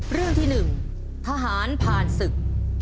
เรื่องที่๑ทหารผ่านศึก